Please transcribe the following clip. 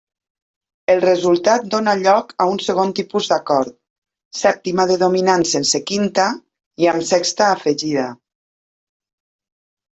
El resultat dóna lloc a un segon tipus d'acord: sèptima de dominant sense quinta, i amb sexta afegida.